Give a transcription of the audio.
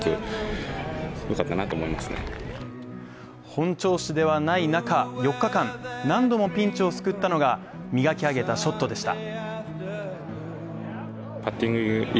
本調子ではない中、４日間、何度もピンチを救ったのが磨き上げたショットでした。